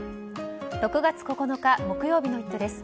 ６月９日、木曜日の「イット！」です。